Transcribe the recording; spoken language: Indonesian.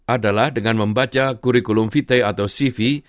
adalah dengan membaca kurikulum vt atau cv